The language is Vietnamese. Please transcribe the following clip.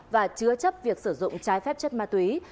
và chứa chấp việc sử dụng trái phép chất ma túy